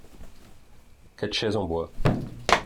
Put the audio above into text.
quatre chaises en bois.